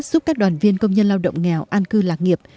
giúp các đoàn viên công nhân lao động nghèo an cư lạc nghiệp